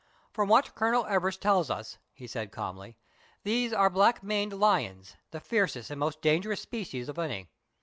" From what Colonel Everest tells us," he said calmly, "these are black maned lions, the fiercest and most danger ous species of any.